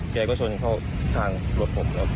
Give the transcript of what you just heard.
ใช่ครับใช่ครับ